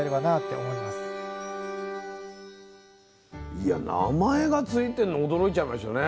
いや名前が付いてんの驚いちゃいましたね。